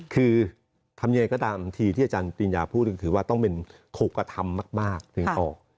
คือทำยังไงก็ตามทีที่อาจารย์ปริญญาพูดถือว่าต้องเป็นถูกกระทำมากถึงออก